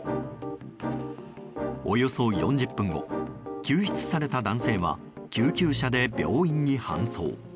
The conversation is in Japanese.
およそ４０分後救出された男性は救急車で病院に搬送。